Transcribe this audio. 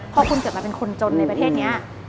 พอคุณเกิดมาเป็นคนจนในประเทศนี้